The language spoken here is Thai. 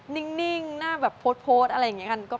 นิ่งหน้าแบบโพสต์อะไรอย่างนี้ค่ะ